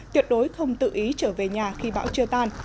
tuyệt đối không tự ý trở về nhà khi bão chưa tan